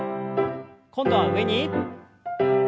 今度は上に。